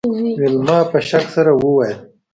ویلما په شک سره وویل